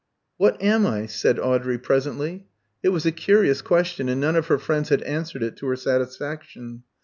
"What am I?" said Audrey, presently. It was a curious question, and none of her friends had answered it to her satisfaction.